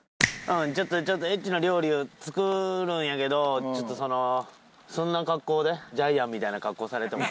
ちょっとエッチな料理を作るんやけどちょっとそのそんな格好でジャイアンみたいな格好されても。